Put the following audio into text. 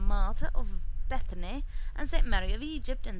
Martha of Bethany and S. Mary of Egypt and S.